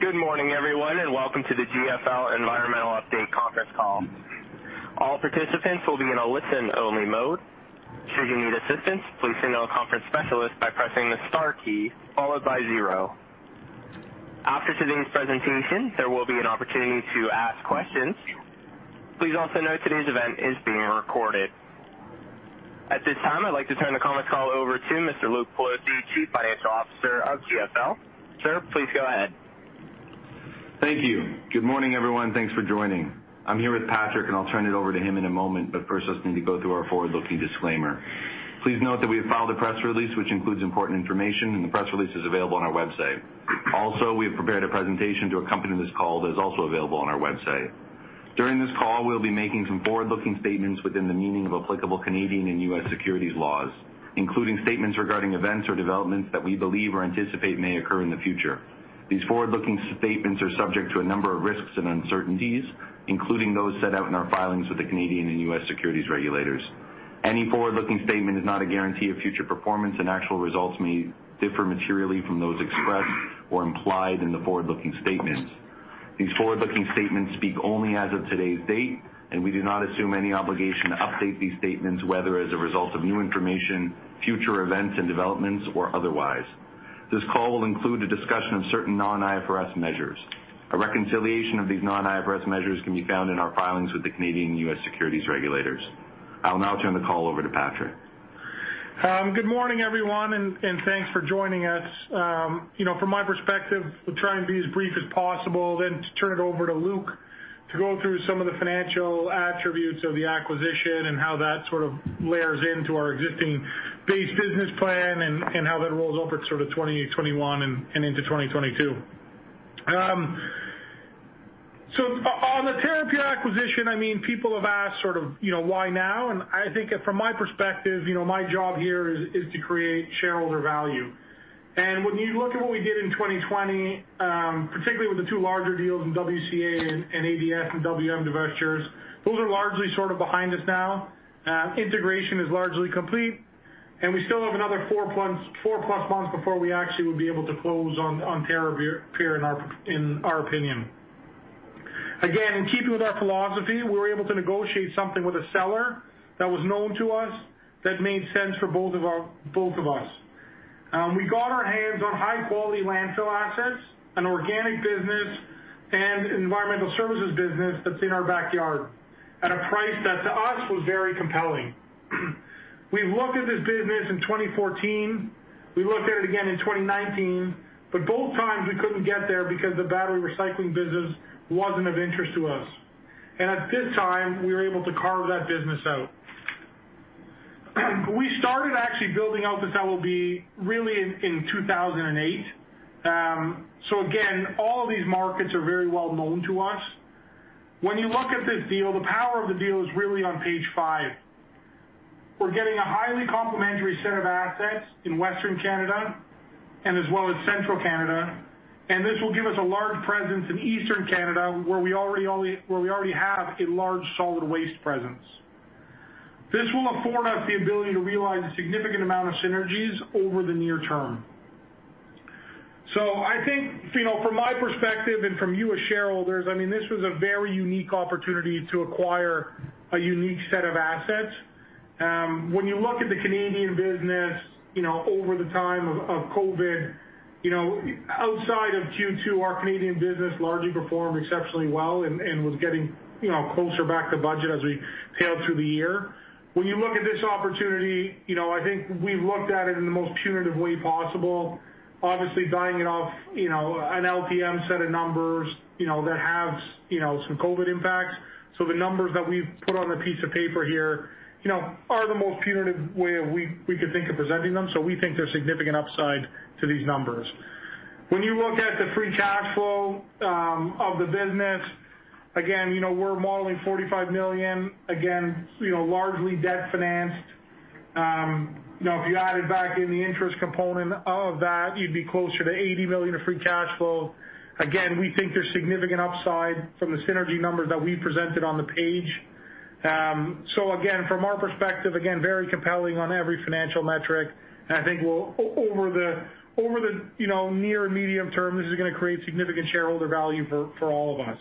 Good morning, everyone, welcome to the GFL Environmental update conference call. All participants will be in a listen-only mode. After today's presentation, there will be an opportunity to ask questions. Please also note today's event is being recorded. At this time, I'd like to turn the conference call over to Mr. Luke Pelosi, Chief Financial Officer of GFL. Sir, please go ahead. Thank you. Good morning, everyone. Thanks for joining. I'm here with Patrick, and I'll turn it over to him in a moment, but first, let's need to go through our forward-looking disclaimer. Please note that we have filed a press release which includes important information, and the press release is available on our website. Also, we have prepared a presentation to accompany this call that is also available on our website. During this call, we'll be making some forward-looking statements within the meaning of applicable Canadian and U.S. securities laws, including statements regarding events or developments that we believe or anticipate may occur in the future. These forward-looking statements are subject to a number of risks and uncertainties, including those set out in our filings with the Canadian and U.S. securities regulators. Any forward-looking statement is not a guarantee of future performance, and actual results may differ materially from those expressed or implied in the forward-looking statements. These forward-looking statements speak only as of today's date, and we do not assume any obligation to update these statements, whether as a result of new information, future events and developments, or otherwise. This call will include a discussion of certain non-IFRS measures. A reconciliation of these non-IFRS measures can be found in our filings with the Canadian and U.S. securities regulators. I'll now turn the call over to Patrick. Good morning, everyone, and thanks for joining us. From my perspective, we'll try and be as brief as possible, then turn it over to Luke to go through some of the financial attributes of the acquisition and how that sort of layers into our existing base business plan and how that rolls over to 2021 and into 2022. On the Terrapure acquisition, people have asked why now, I think from my perspective, my job here is to create shareholder value. When you look at what we did in 2020, particularly with the two larger deals in WCA and ADS and WM divestitures, those are largely sort of behind us now. Integration is largely complete, and we still have another 4+ months before we actually would be able to close on Terrapure in our opinion. Again, in keeping with our philosophy, we were able to negotiate something with a seller that was known to us that made sense for both of us. We got our hands on high-quality landfill assets, an organic business, and environmental services business that's in our backyard at a price that, to us, was very compelling. We looked at this business in 2014. We looked at it again in 2019. Both times we couldn't get there because the battery recycling business wasn't of interest to us. At this time, we were able to carve that business out. We started actually building out this LOB really in 2008. Again, all of these markets are very well known to us. When you look at this deal, the power of the deal is really on Page five. We're getting a highly complementary set of assets in Western Canada and as well as Central Canada, and this will give us a large presence in Eastern Canada, where we already have a large solid waste presence. This will afford us the ability to realize a significant amount of synergies over the near-term. I think from my perspective and from you as shareholders, this was a very unique opportunity to acquire a unique set of assets. When you look at the Canadian business over the time of COVID, outside of Q2, our Canadian business largely performed exceptionally well and was getting closer back to budget as we tailed through the year. When you look at this opportunity, I think we've looked at it in the most punitive way possible, obviously dialing it off an LTM set of numbers that have some COVID impacts. The numbers that we've put on a piece of paper here are the most punitive way we could think of presenting them. We think there's significant upside to these numbers. When you look at the free cash flow of the business, again, we're modeling 45 million, again largely debt-financed. If you added back in the interest component of that, you'd be closer to 80 million of free cash flow. Again, we think there's significant upside from the synergy numbers that we presented on the page. Again, from our perspective, again, very compelling on every financial metric, and I think over the near and medium-term, this is going to create significant shareholder value for all of us.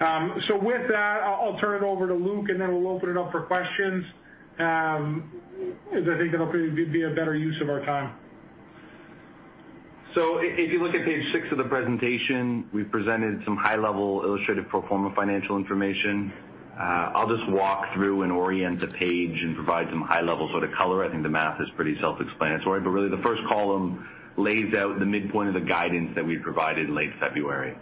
With that, I'll turn it over to Luke, and then we'll open it up for questions, as I think that'll be a better use of our time. If you look at Page six of the presentation, we've presented some high-level illustrated pro forma financial information. I'll just walk through and orient a page and provide some high-level sort of color. I think the math is pretty self-explanatory, but really the first column lays out the midpoint of the guidance that we provided in late February.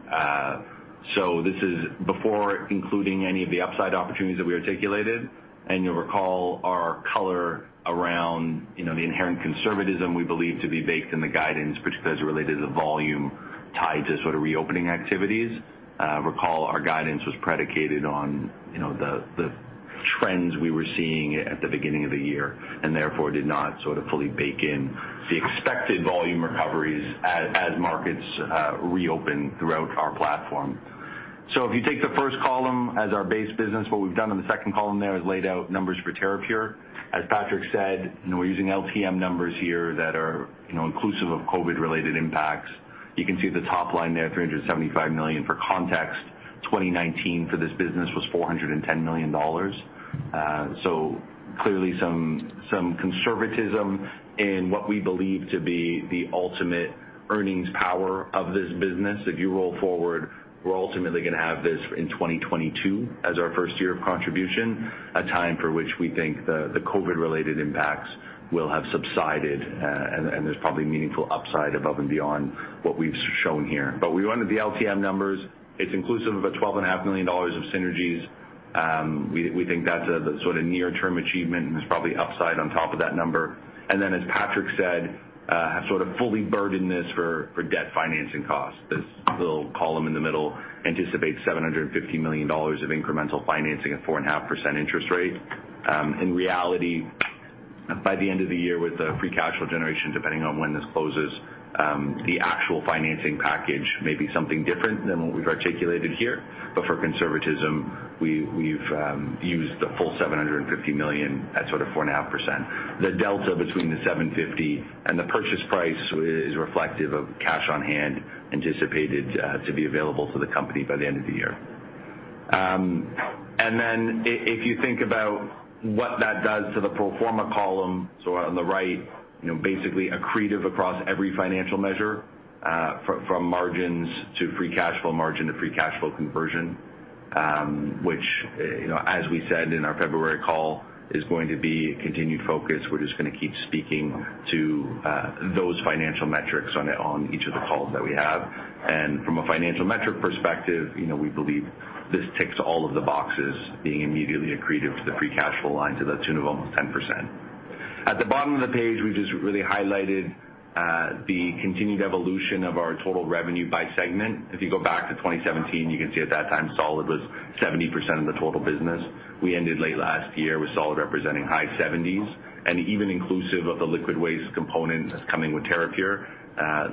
This is before including any of the upside opportunities that we articulated, and you'll recall our color around the inherent conservatism we believe to be baked in the guidance, particularly as it related to volume tied to sort of reopening activities. Recall, our guidance was predicated on the trends we were seeing at the beginning of the year and therefore did not sort of fully bake in the expected volume recoveries as markets reopened throughout our platform. If you take the first column as our base business, what we've done in the second column there is laid out numbers for Terrapure. As Patrick said, we're using LTM numbers here that are inclusive of COVID-related impacts. You can see the top line there, 375 million. For context, 2019 for this business was 410 million dollars. Clearly, some conservatism in what we believe to be the ultimate earnings power of this business. If you roll forward, we're ultimately going to have this in 2022 as our first year of contribution, a time for which we think the COVID-related impacts will have subsided, and there's probably meaningful upside above and beyond what we've shown here. We wanted the LTM numbers. It's inclusive of 12.5 million dollars of synergies. We think that's the near-term achievement, and there's probably upside on top of that number. As Patrick said, have sort of fully burdened this for debt financing costs. This little column in the middle anticipates 750 million dollars of incremental financing at 4.5% interest rate. In reality, by the end of the year with the free cash flow generation, depending on when this closes, the actual financing package may be something different than what we've articulated here. For conservatism, we've used the full 750 million at sort of 4.5%. The delta between the 750 and the purchase price is reflective of cash on hand anticipated to be available to the company by the end of the year. If you think about what that does to the pro forma column, so on the right, basically accretive across every financial measure, from margins to free cash flow margin to free cash flow conversion, which, as we said in our February call, is going to be a continued focus. We're just going to keep speaking to those financial metrics on each of the calls that we have. From a financial metric perspective, we believe this ticks all of the boxes, being immediately accretive to the free cash flow line to the tune of almost 10%. At the bottom of the page, we've just really highlighted the continued evolution of our total revenue by segment. If you go back to 2017, you can see at that time, solid was 70% of the total business. Even inclusive of the liquid waste component that's coming with Terrapure,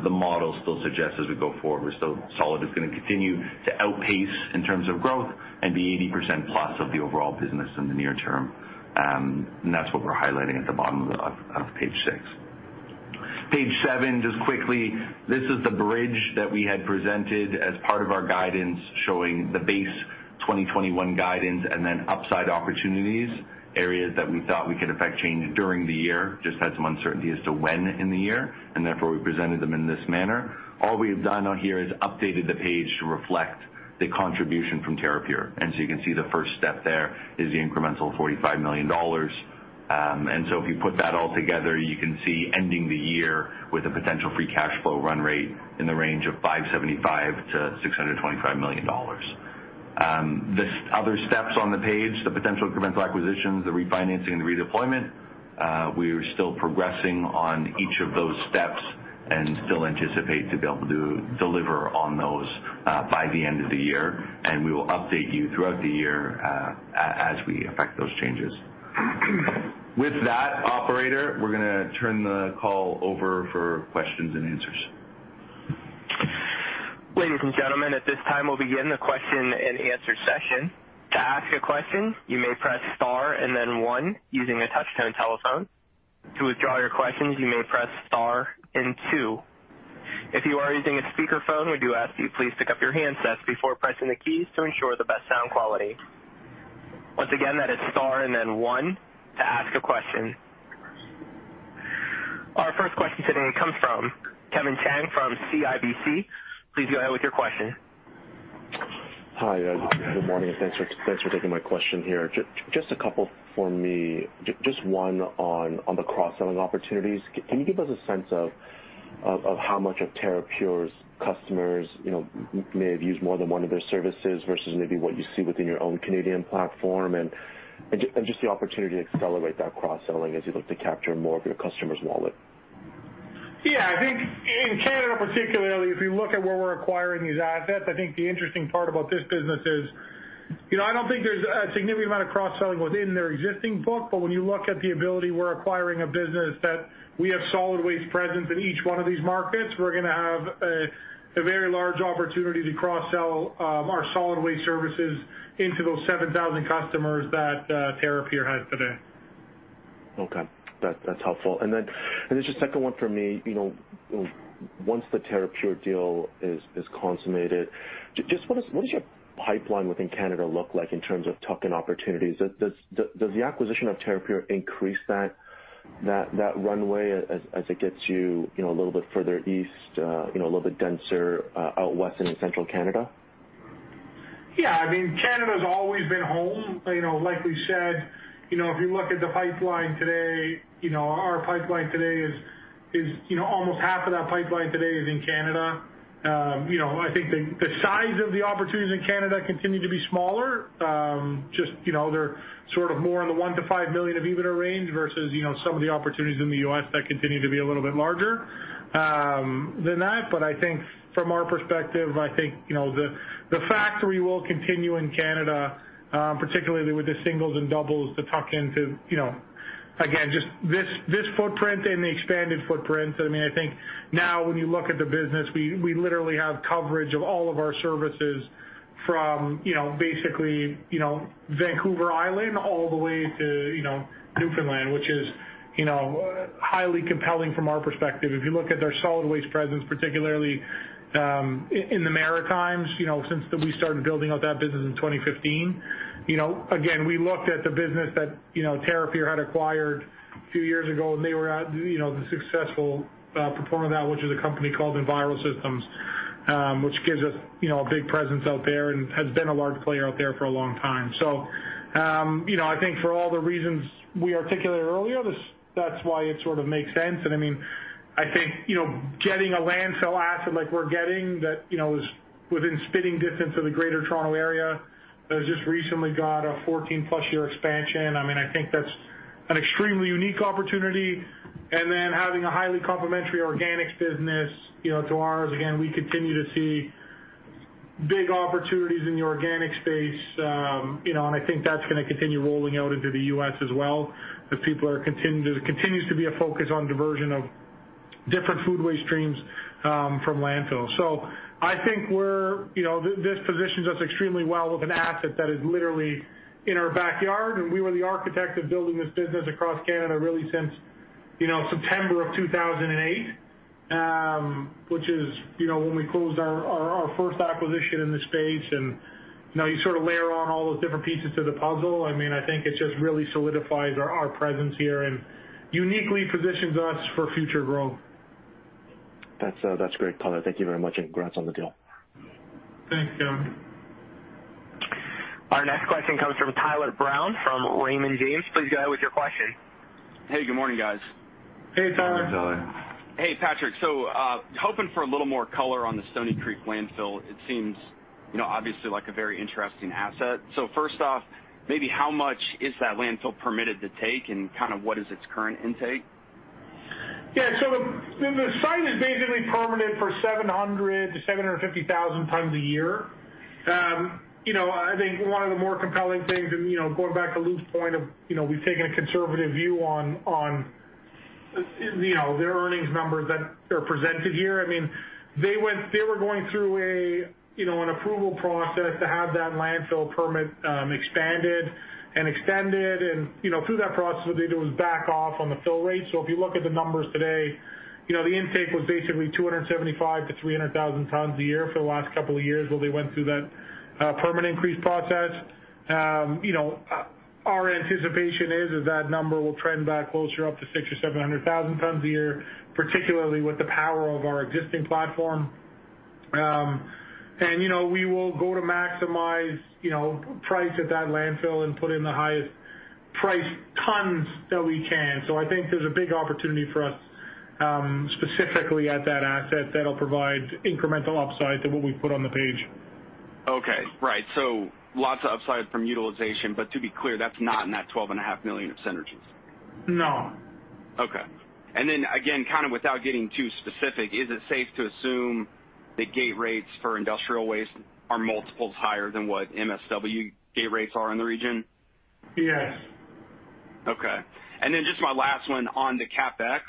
the model still suggests as we go forward, solid is going to continue to outpace in terms of growth and be 80%+ of the overall business in the near-term. That's what we're highlighting at the bottom of Page six. Page seven, just quickly, this is the bridge that we had presented as part of our guidance, showing the base 2021 guidance. Upside opportunities, areas that we thought we could affect change during the year. We just had some uncertainty as to when in the year. Therefore, we presented them in this manner. All we've done on here is updated the page to reflect the contribution from Terrapure. You can see the first step there is the incremental 45 million dollars. If you put that all together, you can see ending the year with a potential free cash flow run rate in the range of 575 million-625 million dollars. These other steps on the page, the potential incremental acquisitions, the refinancing, and the redeployment, we are still progressing on each of those steps and still anticipate to be able to deliver on those by the end of the year, and we will update you throughout the year as we affect those changes. With that, operator, we're going to turn the call over for questions-and-answers. Ladies and gentlemen, at this time, we'll begin the question and answer session. To ask a question, you may press star and then one, using a touch-tone telephone. To withdraw your questions, you may press star and two. If you are using a speakerphone, we do ask you, please pick up your handsets before pressing the keys to ensure the best sound quality. Once again, that it's star and then one to ask a question. Our first question today comes from Kevin Chiang from CIBC. Please go ahead with your question. Hi. Good morning, thanks for taking my question here. Just a couple for me. Just one on the cross-selling opportunities. Can you give us a sense of how much of Terrapure's customers may have used more than one of their services versus maybe what you see within your own Canadian platform, and just the opportunity to accelerate that cross-selling as you look to capture more of your customers' wallet? Yeah. I think in Canada particularly, if you look at where we're acquiring these assets, I think the interesting part about this business is I don't think there's a significant amount of cross-selling within their existing book, but when you look at the ability, we're acquiring a business that we have solid waste presence in each one of these markets. We're going to have a very large opportunity to cross-sell our solid waste services into those 7,000 customers that Terrapure has today. Okay. That's helpful. Just second one for me. Once the Terrapure deal is consummated, just what does your pipeline within Canada look like in terms of tuck-in opportunities? Does the acquisition of Terrapure increase that runway as it gets you a little bit further east, a little bit denser out west into Central Canada? Yeah. Canada's always been home. Like we said, if you look at the pipeline today, almost half of that pipeline today is in Canada. I think the size of the opportunities in Canada continue to be smaller. Just they're sort of more in the 1 million to 5 million of EBITDA range versus some of the opportunities in the U.S. that continue to be a little bit larger than that. I think from our perspective, I think the factory will continue in Canada, particularly with the singles and doubles to tuck into. Just this footprint and the expanded footprint. I think now when you look at the business, we literally have coverage of all of our services from basically Vancouver Island all the way to Newfoundland, which is highly compelling from our perspective. If you look at their solid waste presence, particularly in the Maritimes, since we started building out that business in 2015. We looked at the business that Terrapure had acquired a few years ago, and they were the successful performer of that, which is a company called Envirosystems, which gives us a big presence out there and has been a large player out there for a long time. I think for all the reasons we articulated earlier, that's why it sort of makes sense. I think, getting a landfill asset like we're getting that is within spitting distance of the greater Toronto area, that has just recently got a 14+ year expansion, I think that's an extremely unique opportunity. Then having a highly complementary organics business to ours, again, we continue to see big opportunities in the organic space. I think that's going to continue rolling out into the U.S. as well, as there continues to be a focus on diversion of different food waste streams from landfills. I think this positions us extremely well with an asset that is literally in our backyard, and we were the architect of building this business across Canada really since September of 2008, which is when we closed our first acquisition in the space. Now you sort of layer on all those different pieces to the puzzle, I think it just really solidifies our presence here and uniquely positions us for future growth. That's great, color. Thank you very much, and congrats on the deal. Thanks, Kevin. Our next question comes from Tyler Brown from Raymond James. Please go ahead with your question. Hey, good morning, guys. Hey, Tyler. Hey, Tyler. Hey, Patrick. I'm hoping for a little more color on the Stoney Creek landfill. It seems obviously like a very interesting asset. First off, maybe how much is that landfill permitted to take and kind of what is its current intake? Yeah, the site is basically permitted for 700,000-750,000 tons a year. I think one of the more compelling things, and going back to Luke's point of we've taken a conservative view on their earnings numbers that are presented here. They were going through an approval process to have that landfill permit expanded and extended, and through that process, what they did was back off on the fill rate. If you look at the numbers today, the intake was basically 275,000-300,000 tons a year for the last couple of years while they went through that permit increase process. Our anticipation is that number will trend back closer up to 600,000 or 700,000 tons a year, particularly with the power of our existing platform. We will go to maximize price at that landfill and put in the highest price tons that we can. I think there's a big opportunity for us specifically at that asset that'll provide incremental upside to what we put on the page. Okay. Right. Lots of upside from utilization, but to be clear, that's not in that 12.5 million of synergies. No. Okay. Then again, kind of without getting too specific, is it safe to assume the gate rates for industrial waste are multiples higher than what MSW gate rates are in the region? Yes. Okay. Just my last one on the CapEx.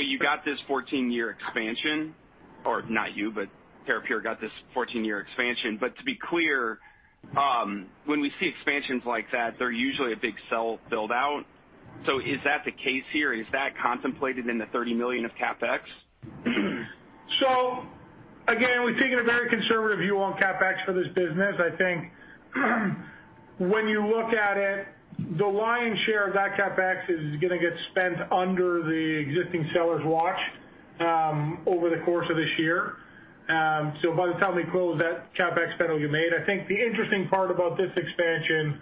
You got this 14-year expansion, or not you, but Terrapure got this 14-year expansion. To be clear, when we see expansions like that, they're usually a big cell build-out. Is that the case here? Is that contemplated in the 30 million of CapEx? Again, we've taken a very conservative view on CapEx for this business. I think when you look at it, the lion's share of that CapEx is going to get spent under the existing seller's watch over the course of this year. By the time we close, that CapEx spend will be made. I think the interesting part about this expansion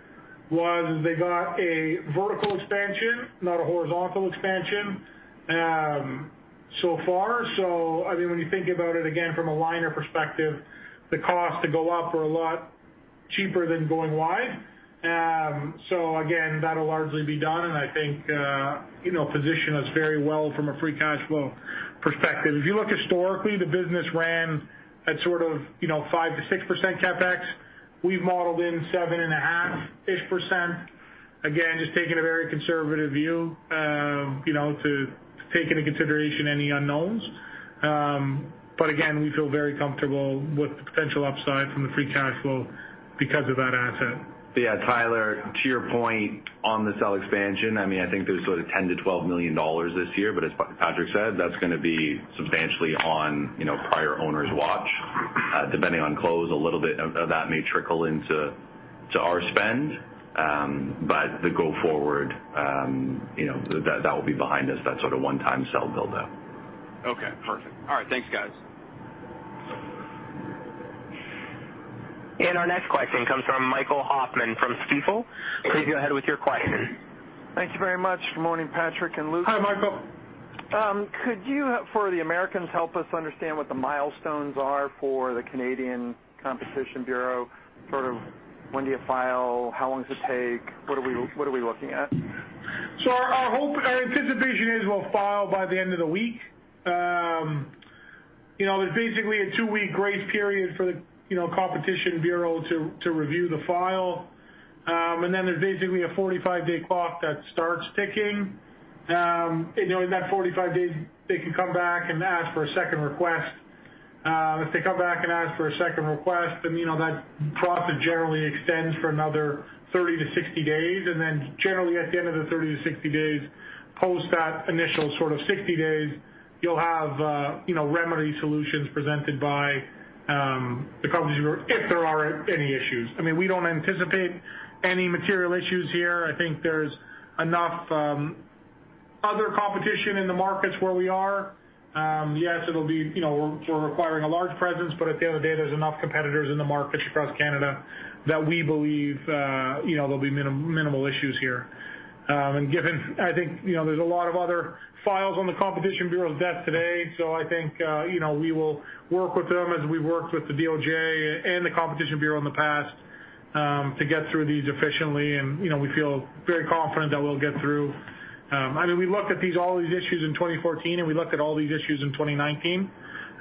was they got a vertical expansion, not a horizontal expansion, so far. I think when you think about it again from a liner perspective, the cost to go up are a lot cheaper than going wide. Again, that'll largely be done, and I think position us very well from a free cash flow perspective. If you look historically, the business ran at sort of 5%-6% CapEx. We've modeled in 7.5%. Again, just taking a very conservative view to take into consideration any unknowns. Again, we feel very comfortable with the potential upside from the free cash flow because of that asset. Yeah, Tyler, to your point on the cell expansion, I think there's sort of 10 million-12 million dollars this year, but as Patrick said, that's going to be substantially on prior owner's watch. Depending on close, a little bit of that may trickle into our spend. The go forward, that will be behind us, that sort of one-time cell build-out. Okay, perfect. All right. Thanks, guys. Our next question comes from Michael Hoffman from Stifel. Please go ahead with your question. Thank you very much. Good morning, Patrick and Luke. Hi, Michael. Could you, for the Americans, help us understand what the milestones are for the Competition Bureau Canada? Sort of when do you file? How long does it take? What are we looking at? Our anticipation is we'll file by the end of the week. There's basically a two-week grace period for the Competition Bureau to review the file. There's basically a 45-day clock that starts ticking. In that 45 days, they can come back and ask for a second request. If they come back and ask for a second request, then that process generally extends for another 30-60 days. Generally at the end of the 30-60 days, post that initial 60 days, you'll have remedy solutions presented by the Competition Bureau if there are any issues. We don't anticipate any material issues here. I think there's enough other competition in the markets where we are. Yes, we're requiring a large presence, but at the end of the day, there's enough competitors in the markets across Canada that we believe there'll be minimal issues here. Given, I think, there's a lot of other files on the Competition Bureau's desk today. I think we will work with them as we worked with the DOJ and the Competition Bureau in the past to get through these efficiently, and we feel very confident that we'll get through. We looked at all these issues in 2014, and we looked at all these issues in 2019.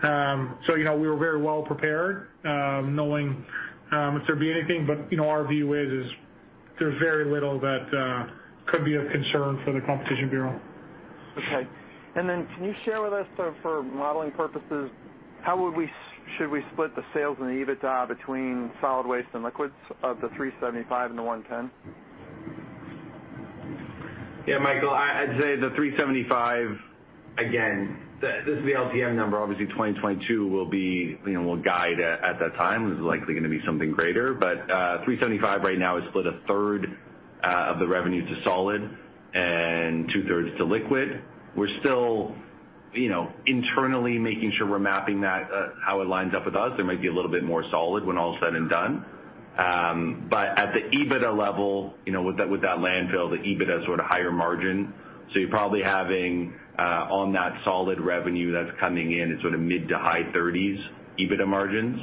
We were very well prepared, knowing if there'd be anything. Our view is there's very little that could be of concern for the Competition Bureau. Okay. Then can you share with us, for modeling purposes, how should we split the sales and the EBITDA between solid waste and liquids of the 375 million and the 110 million? Yeah, Michael, I'd say the 375 million, again, this is the LTM number. Obviously, 2022, we'll guide at that time, is likely going to be something greater. 375 million right now is split 1/3 of the revenue to solid and 2/3 to liquid. We're still internally making sure we're mapping that, how it lines up with us. There might be a little bit more solid when all is said and done. At the EBITDA level, with that landfill, the EBITDA is higher margin. You're probably having on that solid revenue that's coming in is mid- to high-30s EBITDA margins,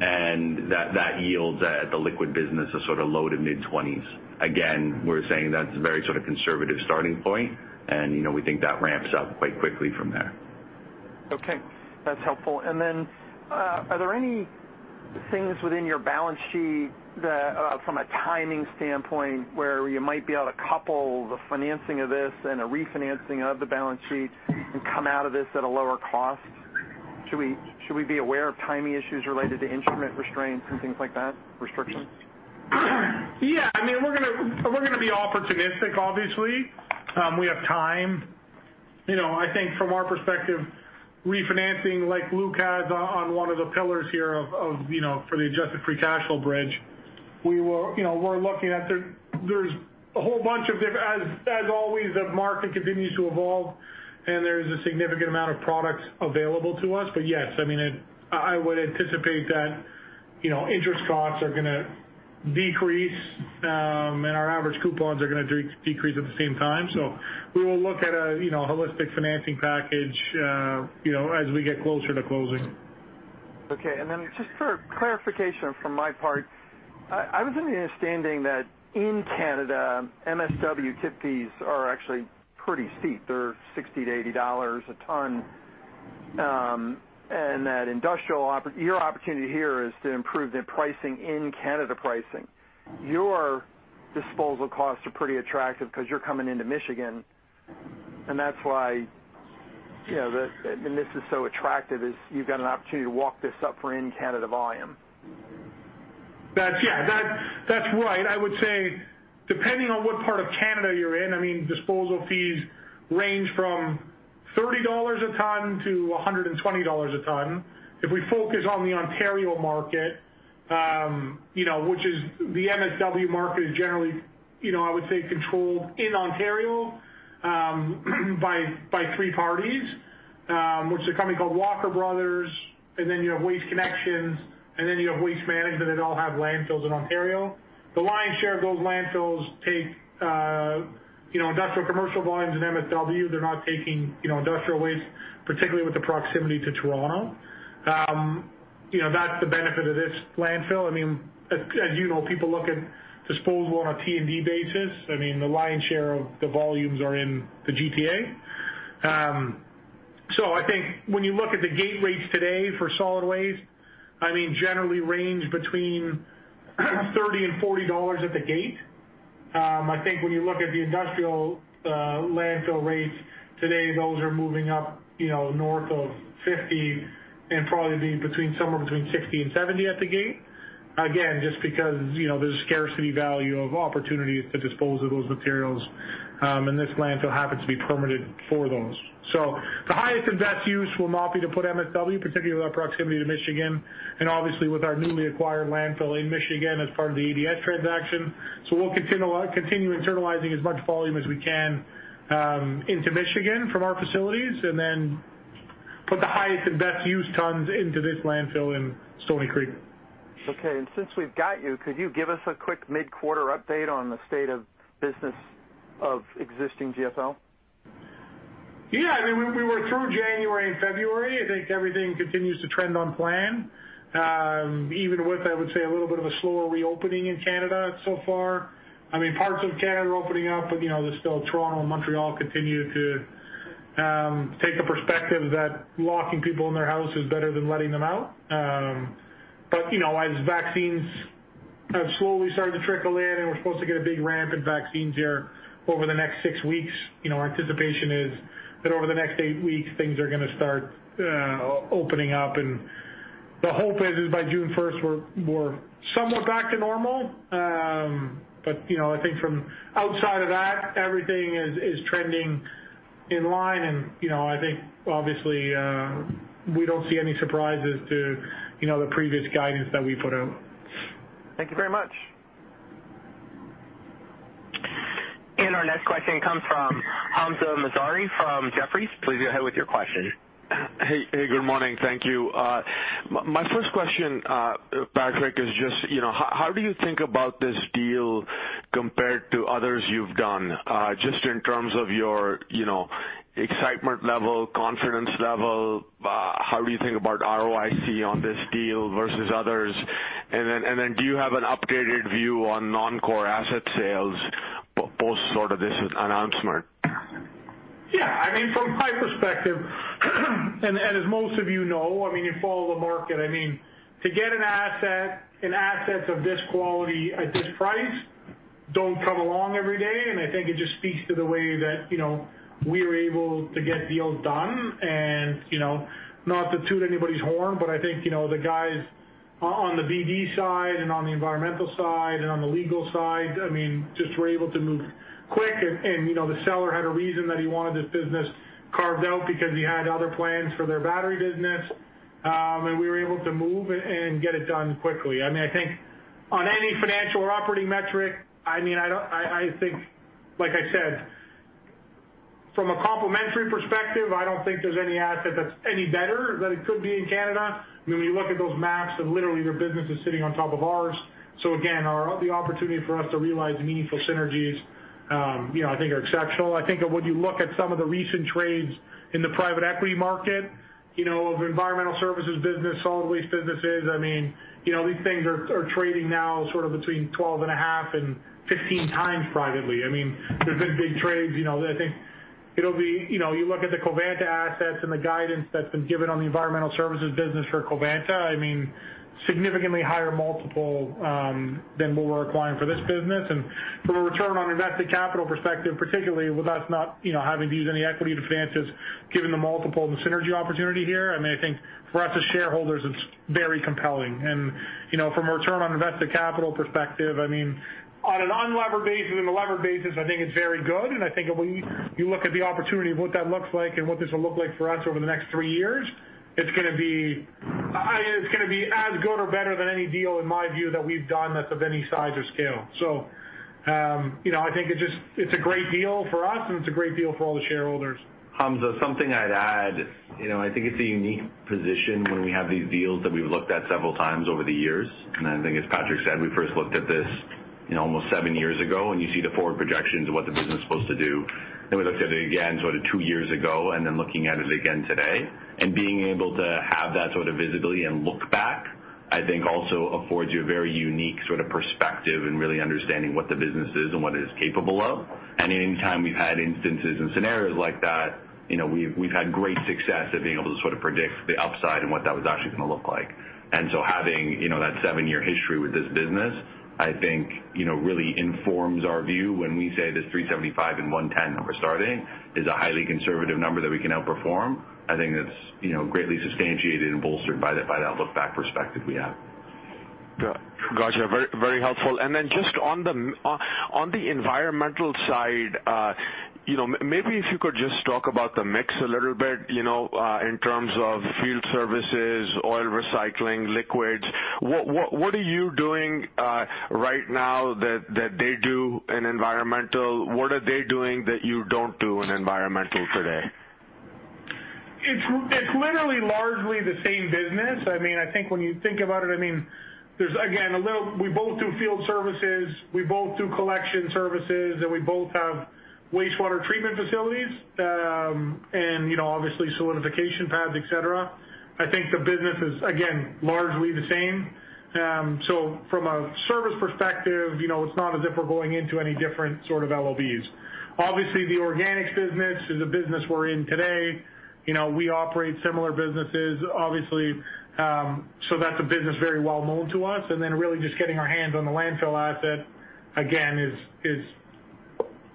and that yields at the liquid business a low- to mid-20s. Again, we're saying that's a very conservative starting point, and we think that ramps up quite quickly from there. Okay. That's helpful. Are there any things within your balance sheet that from a timing standpoint, where you might be able to couple the financing of this and a refinancing of the balance sheet and come out of this at a lower cost? Should we be aware of timing issues related to instrument restraints and things like that, restrictions? Yeah. We're going to be opportunistic, obviously. We have time. I think from our perspective, refinancing like Luke has on one of the pillars here for the adjusted free cash flow bridge. As always, the market continues to evolve, and there's a significant amount of products available to us. Yes, I would anticipate that interest costs are going to decrease, and our average coupons are going to decrease at the same time. We will look at a holistic financing package as we get closer to closing. Okay. Just for clarification from my part, I was under the understanding that in Canada, MSW tip fees are actually pretty steep. They're 60 to 80 dollars a ton. Your opportunity here is to improve the pricing in Canada. Your disposal costs are pretty attractive because you're coming into Michigan, that's why this is so attractive is you've got an opportunity to walk this up for in-Canada volume. Yeah. That's right. I would say depending on what part of Canada you're in, disposal fees range from 30 dollars a ton to 120 dollars a ton. If we focus on the Ontario market, which is the MSW market is generally, I would say, controlled in Ontario by three parties, which is a company called Walker Group, and then you have Waste Connections, and then you have Waste Management, that all have landfills in Ontario. The lion's share of those landfills take industrial commercial volumes and MSW. They're not taking industrial waste, particularly with the proximity to Toronto. That's the benefit of this landfill. As you know, people look at disposal on a T&D basis. The lion's share of the volumes are in the GTA. I think when you look at the gate rates today for solid waste, generally range between 30 and 40 dollars at the gate. I think when you look at the industrial landfill rates today, those are moving up north of 50 and probably somewhere between 60-70 at the gate. Again, just because there's a scarcity value of opportunities to dispose of those materials, and this landfill happens to be permitted for those. The highest and best use will not be to put MSW, particularly with our proximity to Michigan, and obviously with our newly acquired landfill in Michigan as part of the ADS transaction. We'll continue internalizing as much volume as we can into Michigan from our facilities, and then put the highest and best use tons into this landfill in Stoney Creek. Okay. Since we've got you, could you give us a quick mid-quarter update on the state of business of existing GFL? Yeah. We were through January and February. I think everything continues to trend on plan. Even with, I would say, a little bit of a slower reopening in Canada so far. Parts of Canada are opening up, but there's still Toronto and Montreal continue to take a perspective that locking people in their house is better than letting them out. As vaccines have slowly started to trickle in, and we're supposed to get a big ramp in vaccines here over the next six weeks. Our anticipation is that over the next eight weeks, things are going to start opening up. The hope is by June 1st, we're somewhat back to normal. I think from outside of that, everything is trending in line, and I think obviously, we don't see any surprises to the previous guidance that we put out. Thank you very much. Our next question comes from Hamzah Mazari from Jefferies. Please go ahead with your question. Hey. Good morning. Thank you. My first question, Patrick, is just how do you think about this deal compared to others you've done? Just in terms of your excitement level, confidence level, how do you think about ROIC on this deal versus others? Do you have an updated view on non-core asset sales post this announcement? Yeah. From my perspective, as most of you know, you follow the market. To get an asset of this quality at this price don't come along every day, I think it just speaks to the way that we are able to get deals done. Not to toot anybody's horn, but I think the guys on the BD side and on the environmental side and on the legal side just were able to move quick. The seller had a reason that he wanted this business carved out because he had other plans for their battery business. We were able to move it and get it done quickly. I think on any financial or operating metric, like I said, from a complementary perspective, I don't think there's any asset that's any better that it could be in Canada. When you look at those maps and literally their business is sitting on top of ours. Again, the opportunity for us to realize meaningful synergies, I think are exceptional. I think when you look at some of the recent trades in the private equity market, of environmental services business, solid waste businesses, these things are trading now sort of between 12.5x and 15x privately. There's been big trades, I think you look at the Covanta assets and the guidance that's been given on the environmental services business for Covanta, significantly higher multiple than what we're acquiring for this business. From a return on invested capital perspective, particularly with us not having to use any equity to finance this, given the multiple and the synergy opportunity here, I think for us as shareholders, it's very compelling. From a return on invested capital perspective, on an unlevered basis and a levered basis, I think it's very good. I think when you look at the opportunity of what that looks like and what this will look like for us over the next three years, it's going to be as good or better than any deal in my view that we've done that's of any size or scale. I think it's a great deal for us and it's a great deal for all the shareholders. Hamzah, something I'd add. I think it's a unique position when we have these deals that we've looked at several times over the years, and I think as Patrick said, we first looked at this almost seven years ago, and you see the forward projections of what the business is supposed to do. We looked at it again sort of two years ago, and then looking at it again today. Being able to have that sort of visibility and look back, I think also affords you a very unique sort of perspective in really understanding what the business is and what it is capable of. Any time we've had instances and scenarios like that, we've had great success at being able to sort of predict the upside and what that was actually going to look like. Having that seven-year history with this business, I think really informs our view when we say this 375 million and 110 million number starting is a highly conservative number that we can outperform. I think that's greatly substantiated and bolstered by that look-back perspective we have. Got you. Very helpful. Just on the environmental side, maybe if you could just talk about the mix a little bit, in terms of field services, oil recycling, liquids. What are you doing right now that they do in environmental? What are they doing that you don't do in environmental today? It's literally largely the same business. I think when you think about it, there's, again, we both do field services, we both do collection services, and we both have wastewater treatment facilities, and obviously solidification pads, et cetera. I think the business is, again, largely the same. From a service perspective, it's not as if we're going into any different sort of LOBs. Obviously, the organics business is a business we're in today. We operate similar businesses, obviously, so that's a business very well known to us. Then really just getting our hands on the landfill asset again is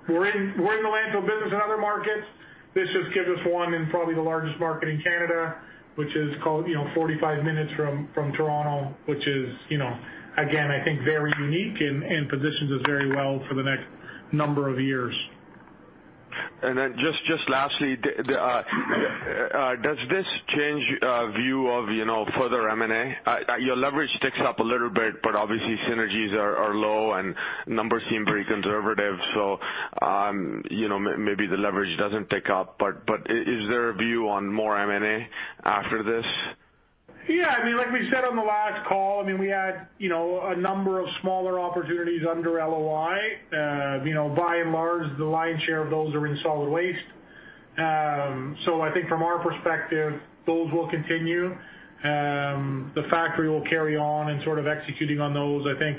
we're in the landfill business in other markets. This just gives us one in probably the largest market in Canada, which is 45 minutes from Toronto. Which is, again, I think very unique and positions us very well for the next number of years. Just lastly, does this change view of further M&A? Your leverage ticks up a little bit, but obviously synergies are low and numbers seem very conservative. Maybe the leverage doesn't tick up, but is there a view on more M&A after this? Like we said on the last call, we had a number of smaller opportunities under LOI. By and large, the lion's share of those are in solid waste. I think from our perspective, those will continue. The factory will carry on and sort of executing on those. I think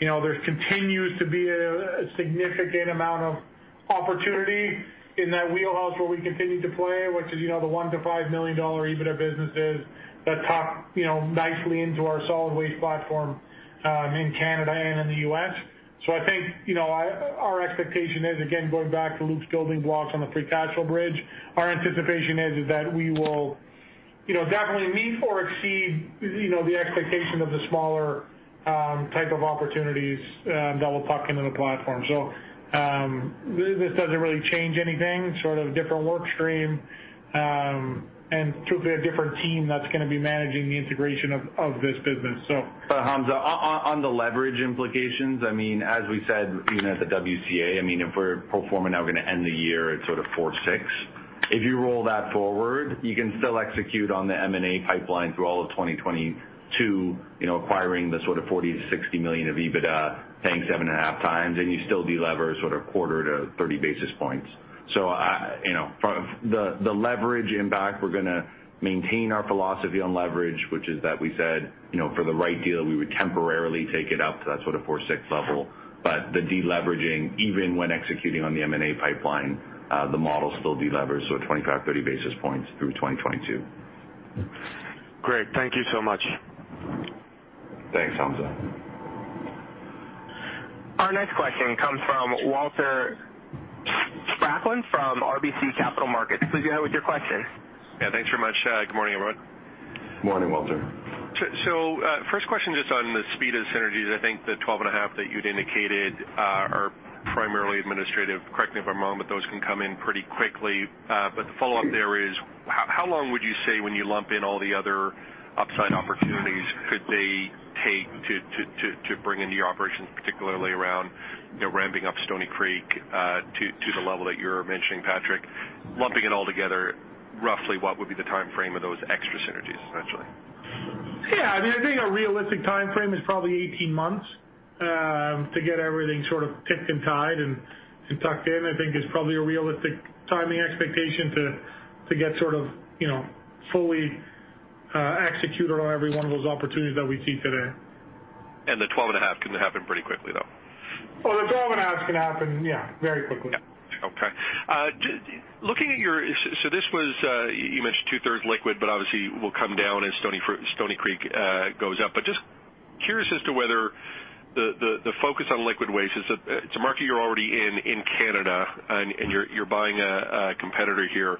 there continues to be a significant amount of opportunity in that wheelhouse where we continue to play, which is the 1 million-5 million dollar EBITDA businesses that tuck nicely into our solid waste platform in Canada and in the U.S. I think, our expectation is, again, going back to Luke's building blocks on the free cash flow bridge, our anticipation is that we will definitely meet or exceed the expectation of the smaller type of opportunities that will tuck into the platform. This doesn't really change anything. Sort of different work stream, and truthfully, a different team that's going to be managing the integration of this business. Hamzah, on the leverage implications, as we said, even at the WCA, if we're performing how we are going to end the year at sort of 4.6. If you roll that forward, you can still execute on the M&A pipeline through all of 2022, acquiring the sort of 40 million-60 million of EBITDA, paying 7.5x, and you still de-lever sort of 25-30 basis points. The leverage impact, we are going to maintain our philosophy on leverage, which is that we said, for the right deal, we would temporarily take it up to that sort of 4.6 level. The de-leveraging, even when executing on the M&A pipeline, the model still de-levers, 25, 30 basis points through 2022. Great. Thank you so much. Thanks, Hamzah. Our next question comes from Walter Spracklin from RBC Capital Markets. Please go ahead with your question. Yeah, thanks very much. Good morning, everyone. Morning, Walter. First question just on the speed of synergies. I think the 12.5 million that you'd indicated are primarily administrative, correct me if I'm wrong, but those can come in pretty quickly. The follow-up there is, how long would you say when you lump in all the other upside opportunities could they take to bring into your operations, particularly around ramping up Stoney Creek to the level that you're mentioning, Patrick? Lumping it all together, roughly what would be the timeframe of those extra synergies, eventually? Yeah, I think a realistic timeframe is probably 18 months, to get everything sort of ticked and tied and tucked in, I think is probably a realistic timing expectation to get sort of fully executed on every one of those opportunities that we see today. The 12.5 millioncan happen pretty quickly, though? Oh, the 12.5 million going to happen, yeah, very quickly. Yeah. Okay. This was, you mentioned two-thirds liquid, but obviously will come down as Stoney Creek goes up, but just curious as to whether the focus on liquid waste is. It's a market you're already in in Canada, and you're buying a competitor here.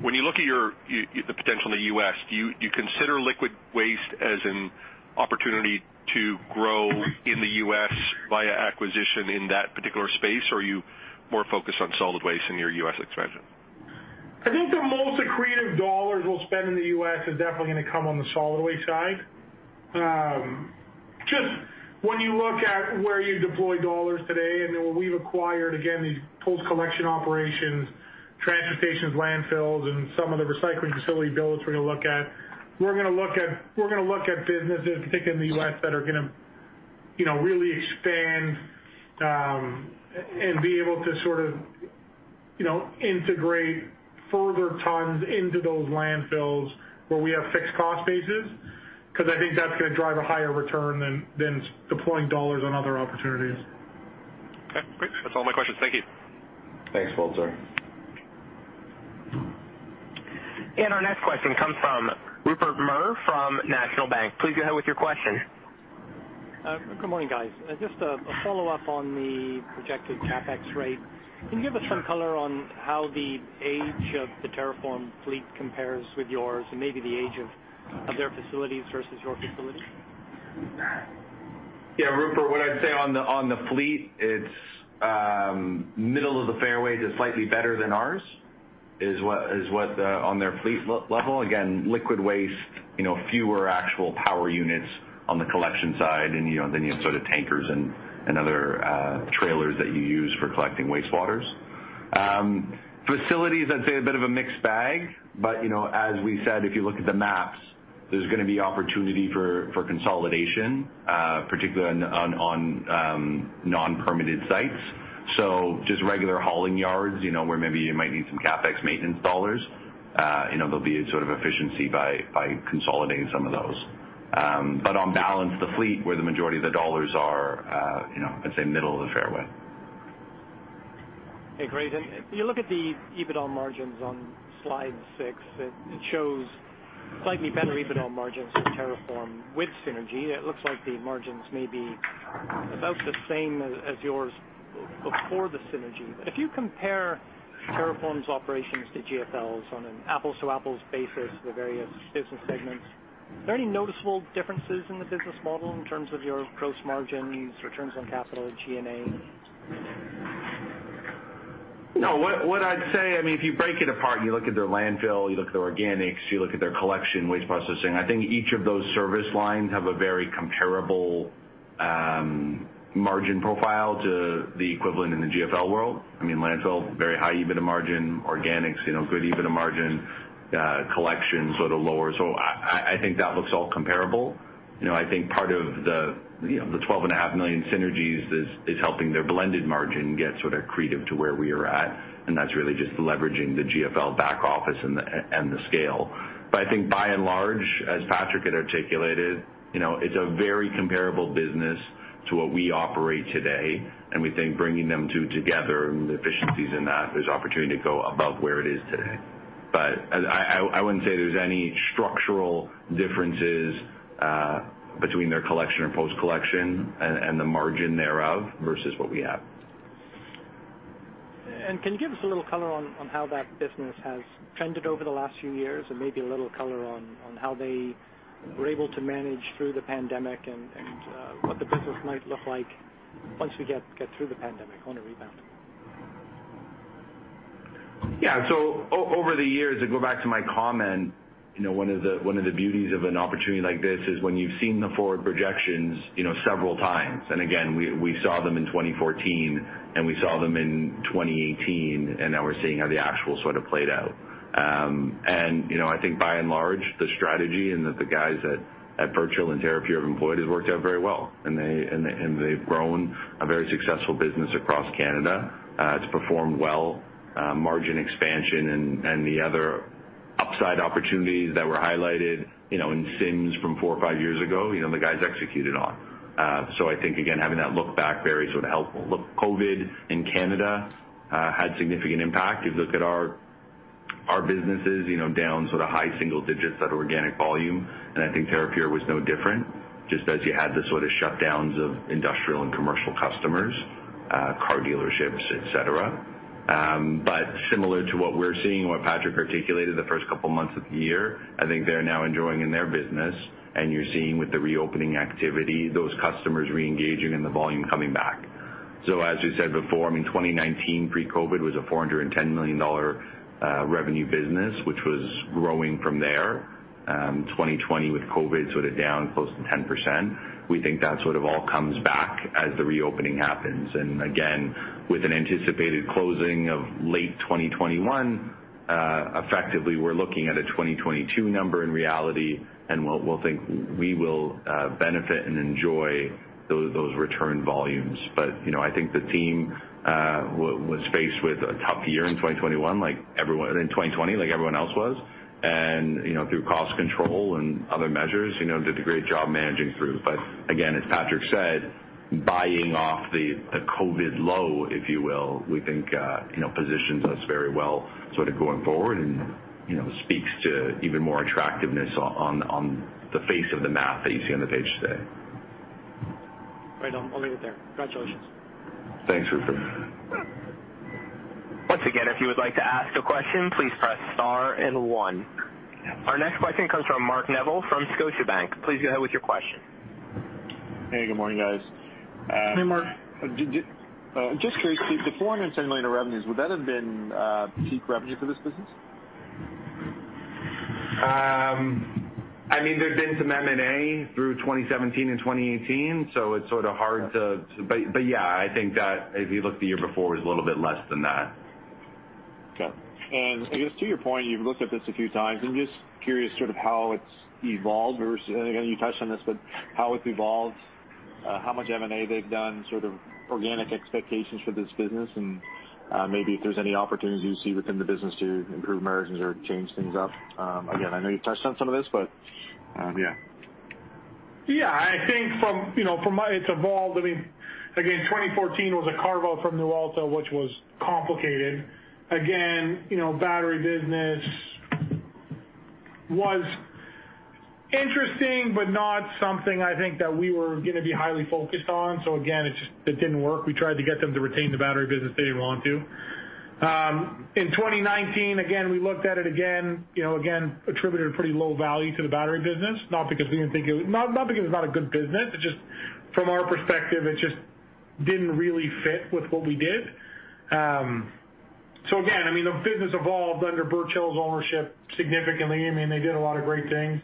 When you look at the potential in the U.S., do you consider liquid waste as an opportunity to grow in the U.S. via acquisition in that particular space, or are you more focused on solid waste in your U.S. expansion? I think the most accretive dollars we'll spend in the U.S. is definitely going to come on the solid waste side. Just when you look at where you deploy dollars today, and then when we've acquired, again, these post-collection operations, transportation landfills, and some of the recycling facility builds we're going to look at, we're going to look at businesses, particularly in the U.S., that are going to really expand, and be able to sort of integrate further tons into those landfills where we have fixed cost bases, because I think that's going to drive a higher return than deploying dollars on other opportunities. Okay, great. That's all my questions. Thank you. Thanks, Walter. Our next question comes from Rupert Merer from National Bank. Please go ahead with your question. Good morning, guys. A follow-up on the projected CapEx rate. Can you give us some color on how the age of the Terrapure fleet compares with yours, and maybe the age of their facilities versus your facilities? Yeah, Rupert, what I'd say on the fleet, it's middle of the fairway to slightly better than ours, is what on their fleet level. Liquid waste, fewer actual power units on the collection side, and then you have sort of tankers and other trailers that you use for collecting wastewaters. Facilities, I'd say a bit of a mixed bag. As we said, if you look at the maps, there's going to be opportunity for consolidation, particularly on non-permitted sites. Just regular hauling yards, where maybe you might need some CapEx maintenance dollars. There'll be a sort of efficiency by consolidating some of those. On balance, the fleet where the majority of the dollars are, I'd say middle of the fairway. Okay, great. If you look at the EBITDA margins on slide six, it shows slightly better EBITDA margins for Terrapure with synergy. It looks like the margins may be about the same as yours before the synergy. If you compare Terrapure's operations to GFL's on an apples-to-apples basis, the various business segments, are there any noticeable differences in the business model in terms of your gross margins, returns on capital, G&A? No. What I'd say, if you break it apart and you look at their landfill, you look at their organics, you look at their collection, waste processing, I think each of those service lines have a very comparable margin profile to the equivalent in the GFL world. Landfill, very high EBITDA margin, organics, good EBITDA margin, collection, sort of lower. I think that looks all comparable. I think part of the 12.5 million synergies is helping their blended margin get sort of accretive to where we are at, and that's really just leveraging the GFL back office and the scale. I think by and large, as Patrick had articulated, it's a very comparable business to what we operate today, and we think bringing them two together and the efficiencies in that, there's opportunity to go above where it is today. I wouldn't say there's any structural differences between their collection and post-collection and the margin thereof versus what we have. Can you give us a little color on how that business has trended over the last few years, and maybe a little color on how they were able to manage through the pandemic and what the business might look like once we get through the pandemic on a rebound? Yeah. Over the years, to go back to my comment, one of the beauties of an opportunity like this is when you've seen the forward projections several times, and again, we saw them in 2014, and we saw them in 2018, and now we're seeing how the actual sort of played out. I think by and large, the strategy and that the guys at Birch Hill and Terrapure have employed has worked out very well. They've grown a very successful business across Canada. It's performed well, margin expansion and the other upside opportunities that were highlighted in CIMs from four or five years ago, the guys executed on. I think again, having that look back very sort of helpful. Look, COVID in Canada had significant impact. You look at our businesses, down sort of high single digits at organic volume, I think Terrapure was no different, just as you had the sort of shutdowns of industrial and commercial customers, car dealerships, et cetera. Similar to what we're seeing, what Patrick articulated the first couple of months of the year, I think they're now enjoying in their business, and you're seeing with the reopening activity, those customers reengaging and the volume coming back. As we said before, I mean, 2019 pre-COVID was a 410 million dollar revenue business, which was growing from there. 2020 with COVID sort of down close to 10%. We think that sort of all comes back as the reopening happens. Again, with an anticipated closing of late 2021, effectively we're looking at a 2022 number in reality, and we'll think we will benefit and enjoy those return volumes. I think the team was faced with a tough year in 2020, like everyone else was. Through cost control and other measures, did a great job managing through. Again, as Patrick said, buying off the COVID low, if you will, we think positions us very well sort of going forward and speaks to even more attractiveness on the face of the math that you see on the page today. Right. I'll leave it there. Congratulations. Thanks, Rupert. Once again, if you would like to ask a question, please press star and one. Our next question comes from Mark Neville from Scotiabank. Please go ahead with your question. Hey, good morning, guys. Hey, Mark. Just curious, the 410 million of revenues, would that have been peak revenue for this business? There's been some M&A through 2017 and 2018, so it's sort of hard. Yeah, I think that if you look the year before, it was a little bit less than that. Okay. I guess to your point, you've looked at this a few times. I'm just curious sort of how it's evolved versus, and again, you touched on this, but how it's evolved, how much M&A they've done, sort of organic expectations for this business, and maybe if there's any opportunities you see within the business to improve margins or change things up. Again, I know you touched on some of this. Yeah. Yeah. I think it's evolved. Again, 2014 was a carve out from Newalta, which was complicated. Again, battery business was interesting, but not something I think that we were gonna be highly focused on. Again, it didn't work. We tried to get them to retain the battery business, they didn't want to. In 2019, again, we looked at it again, attributed a pretty low value to the battery business, not because it was not a good business. It's just from our perspective, it just didn't really fit with what we did. Again, the business evolved under Birch Hill's ownership significantly. They did a lot of great things.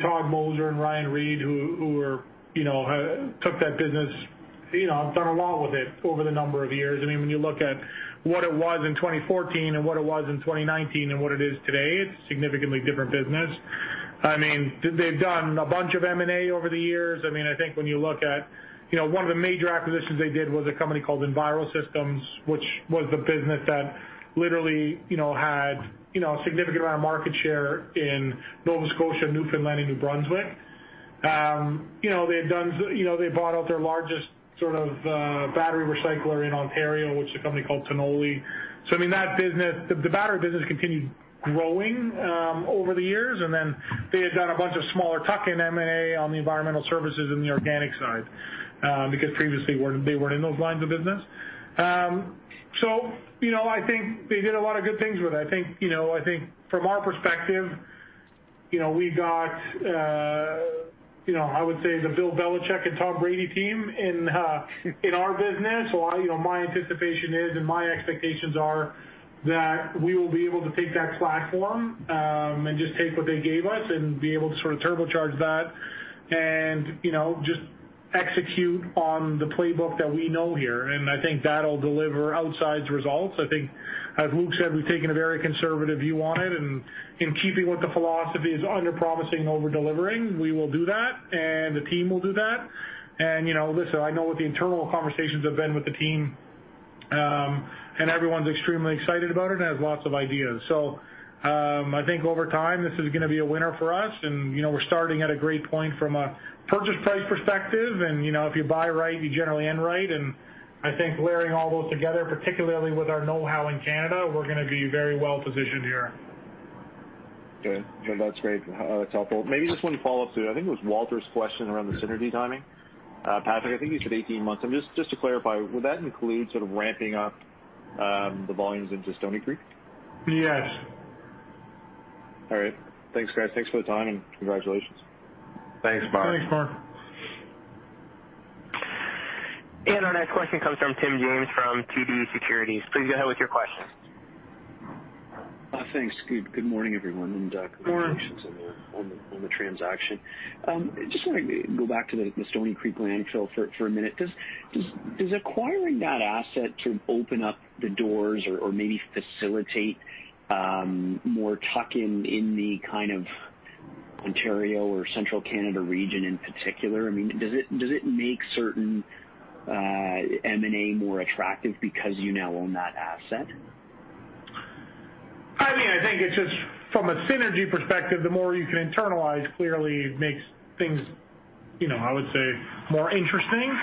Todd Moser and Ryan Reid, who took that business, have done a lot with it over the number of years. When you look at what it was in 2014 and what it was in 2019 and what it is today, it's a significantly different business. They've done a bunch of M&A over the years. I think when you look at one of the major acquisitions they did was a company called Envirosystems, which was the business that literally had a significant amount of market share in Nova Scotia, Newfoundland, and New Brunswick. They bought out their largest sort of battery recycler in Ontario, which is a company called Tonolli. The battery business continued growing over the years, and then they had done a bunch of smaller tuck-in M&A on the environmental services and the organic side, because previously they weren't in those lines of business. I think they did a lot of good things with it. I think from our perspective, we got I would say the Bill Belichick and Tom Brady team in our business. My anticipation is, and my expectations are that we will be able to take that platform, and just take what they gave us and be able to sort of turbocharge that and just execute on the playbook that we know here. I think that'll deliver outsized results. I think as Luke said, we've taken a very conservative view on it, and in keeping with the philosophy is under-promising and over-delivering, we will do that, and the team will do that. Listen, I know what the internal conversations have been with the team and everyone's extremely excited about it and has lots of ideas. I think over time, this is going to be a winner for us. We're starting at a great point from a purchase price perspective. If you buy right, you generally end right. I think layering all those together, particularly with our know-how in Canada, we're going to be very well-positioned here. Good. That's great. That's helpful. Maybe just one follow-up to, I think it was Walter's question around the synergy timing. Patrick, I think you said 18 months. Just to clarify, would that include sort of ramping up the volumes into Stoney Creek? Yes. All right. Thanks, guys. Thanks for the time and congratulations. Thanks, Mark. Thanks, Mark. Our next question comes from Tim James from TD Securities. Please go ahead with your question. Thanks. Good morning, everyone. Good morning. Congratulations on the transaction. Just want to go back to the Stoney Creek landfill for a minute. Does acquiring that asset sort of open up the doors or maybe facilitate more tuck-in in the kind of Ontario or central Canada region in particular? I mean, does it make certain M&A more attractive because you now own that asset? I think it's just from a synergy perspective, the more you can internalize clearly makes things, I would say, more interesting.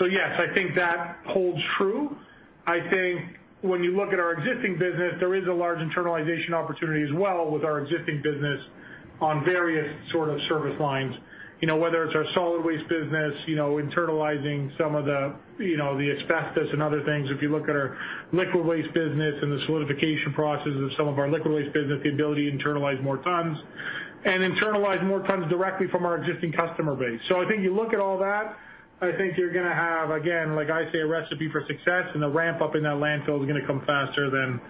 Yes, I think that holds true. I think when you look at our existing business, there is a large internalization opportunity as well with our existing business on various sort of service lines. Whether it's our solid waste business, internalizing some of the asbestos and other things. If you look at our liquid waste business and the solidification processes of some of our liquid waste business, the ability to internalize more tons and internalize more tons directly from our existing customer base. I think you look at all that, I think you're going to have, again, like I say, a recipe for success, and the ramp-up in that landfill is going to come faster than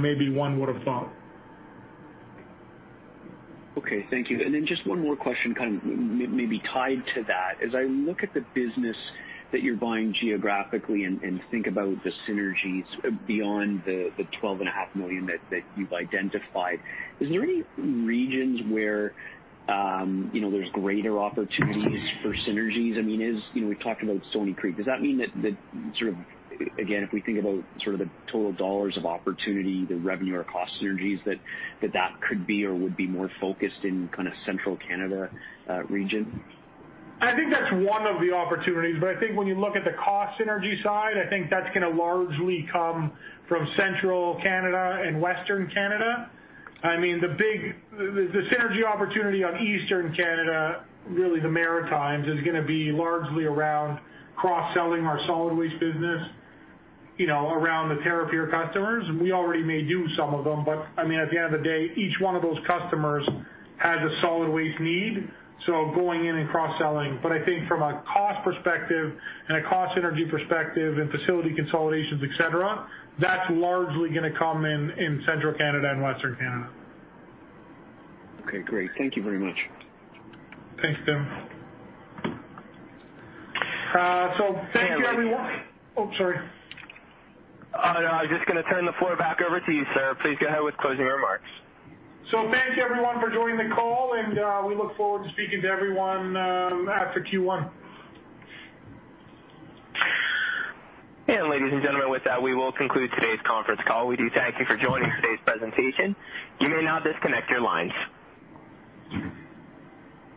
maybe one would've thought. Okay. Thank you. Just one more question, kind of maybe tied to that. As I look at the business that you're buying geographically and think about the synergies beyond the 12.5 million that you've identified, is there any regions where there's greater opportunities for synergies? I mean, as we've talked about Stoney Creek, does that mean that sort of, again, if we think about sort of the total dollars of opportunity, the revenue or cost synergies that could be or would be more focused in kind of central Canada region? I think that's one of the opportunities, but I think when you look at the cost synergy side, I think that's going to largely come from central Canada and western Canada. I mean, the synergy opportunity on eastern Canada, really the Maritimes, is going to be largely around cross-selling our solid waste business, around the Terrapure customers. We already may do some of them, but I mean, at the end of the day, each one of those customers has a solid waste need, so going in and cross-selling. I think from a cost perspective and a cost synergy perspective and facility consolidations, et cetera, that's largely going to come in central Canada and western Canada. Okay, great. Thank you very much. Thanks, Tim. Thank you, everyone. Oh, sorry. No, I was just going to turn the floor back over to you, sir. Please go ahead with closing remarks. Thank you everyone for joining the call, and we look forward to speaking to everyone after Q1. Ladies and gentlemen, with that, we will conclude today's conference call. We do thank you for joining today's presentation. You may now disconnect your lines.